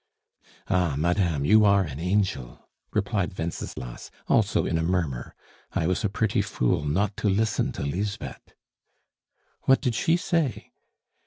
"Ah, Madame, you are an angel!" replied Wenceslas, also in a murmur. "I was a pretty fool not to listen to Lisbeth " "What did she say?"